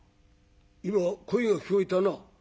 今声が聞こえたな。